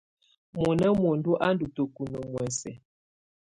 Mɔna muǝndù á ndɔ́ tǝ́kunǝ́ muɛsɛ.